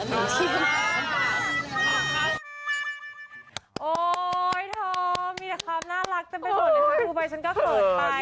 มีแต่คำน่ารักแต่หมดกูไปฉันก็เขิดไป